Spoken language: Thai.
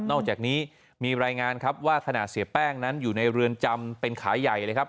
อกจากนี้มีรายงานครับว่าขณะเสียแป้งนั้นอยู่ในเรือนจำเป็นขาใหญ่เลยครับ